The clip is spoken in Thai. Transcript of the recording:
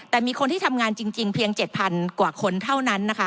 แต่มีคนที่ทำงานจริงเพียง๗๐๐กว่าคนเท่านั้นนะคะ